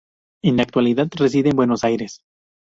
En la actualidad reside en Buenos Aires.